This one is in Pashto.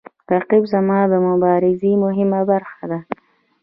رقیب زما د مبارزې مهمه برخه ده